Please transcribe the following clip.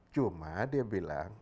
cuma dia bilang